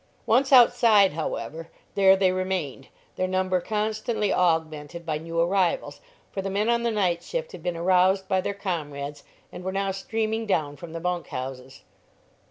Once outside, however, there they remained, their number constantly augmented by new arrivals, for the men on the night shift had been aroused by their comrades and were now streaming down from the bunk houses.